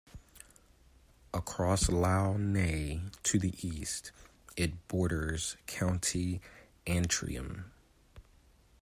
Across Lough Neagh to the east, it borders County Antrim.